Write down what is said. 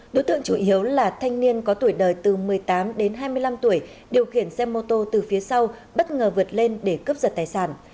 đối tượng chủ yếu là thanh niên có tuổi đời từ một mươi tám đến hai mươi năm tuổi điều khiển xe mô tô từ phía sau bất ngờ vượt lên để cướp giật tài sản